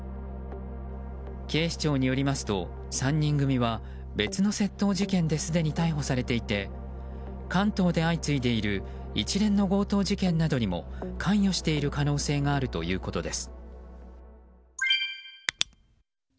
警視庁によりますと３人組は、別の窃盗事件ですでに逮捕されていて関東で相次いでいる一連の強盗事件などにも関与している可能性があるということです。